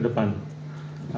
ada pun yang menurut saya